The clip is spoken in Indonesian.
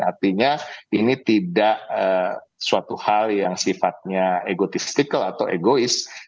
artinya ini tidak suatu hal yang sifatnya egotistikal atau egois